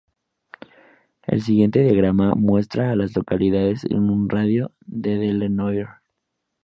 El siguiente diagrama muestra a las localidades en un radio de de Lenoir.